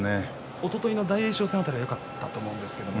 おとといの大栄翔戦辺りはよかったと思うんですけど。